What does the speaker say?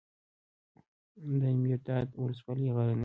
دایمیرداد ولسوالۍ غرنۍ ده؟